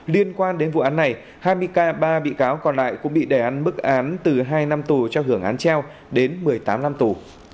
liên quan đến vụ án này hai mươi ca ba bị cáo còn lại cũng bị đề án bức án từ hai năm tù cho hưởng án treo đến một mươi tám năm tù